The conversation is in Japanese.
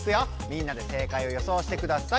みんなで正解をよそうしてください。